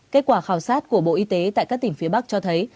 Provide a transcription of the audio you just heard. kết quả khảo sát của bộ y tế tại các tỉnh phía bắc cho thấy